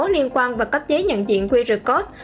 liên quan và cấp giấy nhận diện qr code